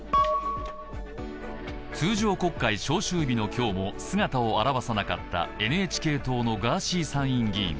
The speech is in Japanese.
通常国会召集日の今日も姿を現さなかったＮＨＫ党のガーシー参院議員。